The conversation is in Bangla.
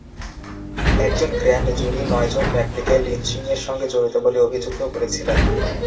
একজন গ্র্যান্ড জুরি নয় জন ব্যক্তিকে লিঞ্চিংয়ের সঙ্গে জড়িত বলে অভিযুক্ত করেছিলেন।